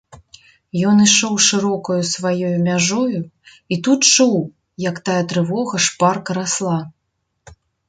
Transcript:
Ён ішоў шырокаю сваёю мяжою і тут чуў, як тая трывога шпарка расла.